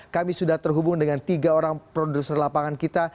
kami sudah terhubung dengan tiga orang produser lapangan kita